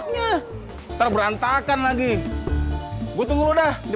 kenapa lo gak bilang dari tadi